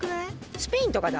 スペインとかだ？